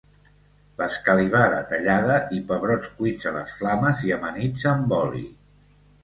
L'escalivada tallada i pebrots cuits a les flames i amanits amb oli.